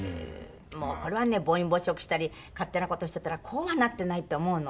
これはね暴飲暴食したり勝手な事していたらこうはなっていないと思うの。